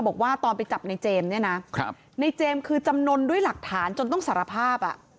บอกว่าตอนไปจับในเจมส์เนี่ยนะในเจมส์คือจำนวนด้วยหลักฐานจนต้องสารภาพ